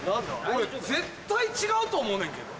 俺絶対違うと思うねんけど。